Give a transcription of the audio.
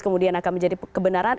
kemudian akan menjadi kebenaran